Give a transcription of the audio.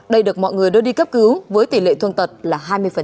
đây được mọi người đưa đi cấp cứu với tỷ lệ thương tật là hai mươi